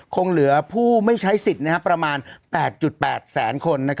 คงเหลือผู้ไม่ใช้สิทธิ์ประมาณ๘๘แสนคน